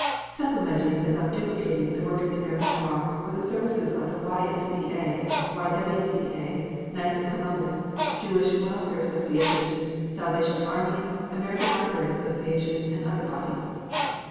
Supplementing, but not duplicating, the work of the American Red Cross, were the services of the Y. M. C. A., Y. W. C. A., Knights of Columbus, Jewish Welfare Association, Salvation Army, American Library Association and other bodies.